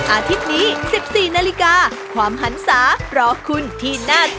อาทิตย์นี้๑๔นาฬิกาความหันศารอคุณที่หน้าจอ